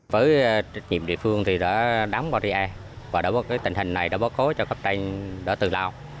với nhịp địa phương thì đã đóng bảo riêng và cái tình hình này đã bố cố cho các tên đã tự lao